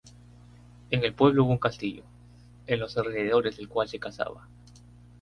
En el pueblo hubo un castillo, en los alrededores del cual se cazaba.